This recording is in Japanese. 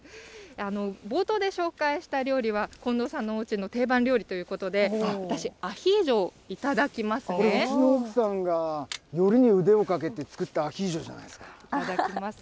冒頭で紹介した料理は近藤さんのおうちの定番料理ということで、うちの奥さんがよりに腕をかけて作ったアヒージョじゃないですか。